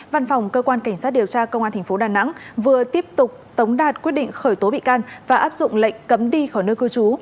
văn phòng cơ quan cảnh sát điều tra công an tp đà nẵng vừa tiếp tục tống đạt quyết định khởi tố bị can và áp dụng lệnh cấm đi khỏi nơi cư trú